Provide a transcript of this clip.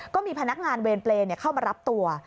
ก็มีพนักงานเวรเปรย์เข้ามารับตัว